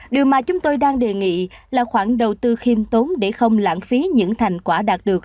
điều mà chúng tôi đang đề nghị là khoản đầu tư khiêm tốn để không lãng phí những thành quả đạt được